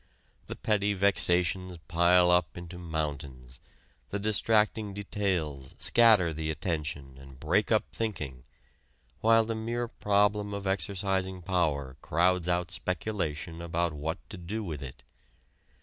The petty vexations pile up into mountains; the distracting details scatter the attention and break up thinking, while the mere problem of exercising power crowds out speculation about what to do with it.